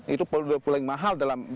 itu paling mahal dalam